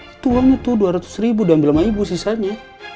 itu uangnya tuh dua ratus ribu udah ambil sama ibu sisanya